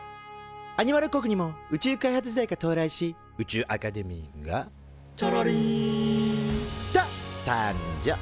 アニマル国にも宇宙開発時代が到来し宇宙アカデミーが「ちゃらりん」と誕生。